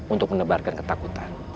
untuk mendebarkan ketakutan